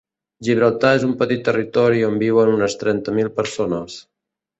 Gibraltar és un petit territori on viuen unes trenta mil persones.